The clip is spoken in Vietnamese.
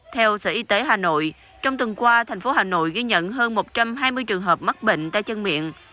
theo sở y tế hà nội trong tuần qua thành phố hà nội ghi nhận hơn một trăm hai mươi trường hợp mắc bệnh tay chân miệng